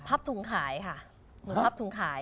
พับถุงขายค่ะหนูพับถุงขาย